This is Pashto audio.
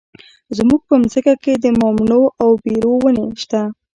زموږ په ځمکه کې د مماڼو او بیرو ونې شته.